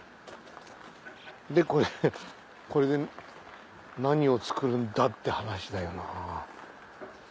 これで何を作るんだって話だよなぁ。